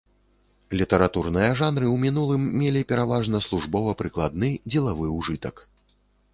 Літаратурныя жанры ў мінулым мелі пераважна службова-прыкладны, дзелавы ўжытак.